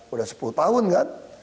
udah sepuluh tahun kan